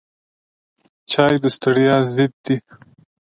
چای د ستړیا ضد دی